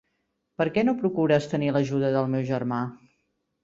Per què no procures tenir l'ajuda del meu germà?